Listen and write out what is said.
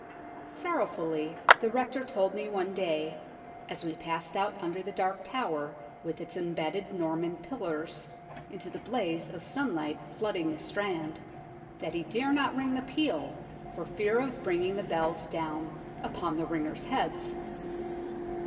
Sorrowfully the Rector told me one day, as we passed out under the dark tower, with its embedded Norman pillars, into the blaze of sunlight flooding the Strand, that he dare not 232 UNKNOWN LONDON ring the peal for fear of bringing the bells down upon the ringers' heads.